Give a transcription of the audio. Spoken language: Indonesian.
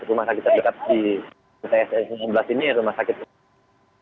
rumah sakit terdekat di mtsn sembilan belas ini rumah sakit terdekat